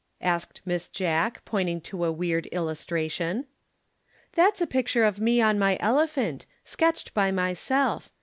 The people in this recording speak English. asked Miss Jack, pointing to a weird illustration. "That's a picture of me on my elephant, sketched by myself.